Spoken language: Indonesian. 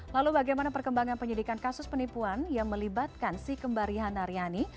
lalu bagaimana perkembangan penyidikan kasus penipuan yang melibatkan si kembarian naryani